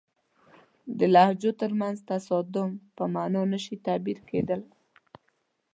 د لهجو ترمنځ تصادم په معنا نه شي تعبیر کېدای.